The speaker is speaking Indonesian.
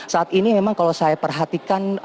saat ini memang kalau saya perhatikan